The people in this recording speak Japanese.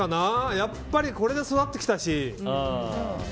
やっぱりこれで育ってきたし。